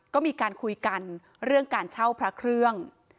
ก็มีการคุยกันเรื่องการเช่าพระเครื่อง